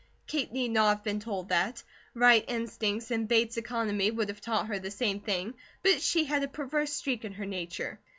Kate need not have been told that. Right instincts and Bates economy would have taught her the same thing, but she had a perverse streak in her nature.